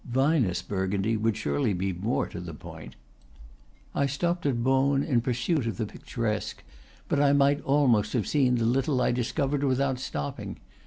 Vinous Burgundy would surely be more to the point. I stopped at Beaune in pursuit of the picturesque, but I might almost have seen the little I discovered without stop ping.